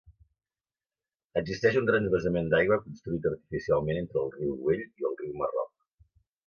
Existeix un transvasament d'aigua construït artificialment entre el riu Güell i el riu Marroc.